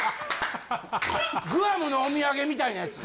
グアムのお土産みたいなやつ。